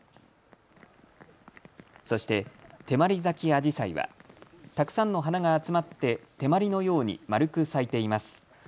そして、てまり咲きアジサイはたくさんの花が集まって手まりのように丸く咲いています。